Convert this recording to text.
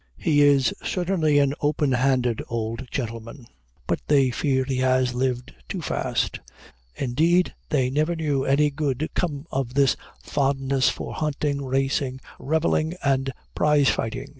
He is certainly an open handed old gentleman, but they fear he has lived too fast; indeed, they never knew any good come of this fondness for hunting, racing, reveling and prize fighting.